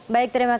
baik terima kasih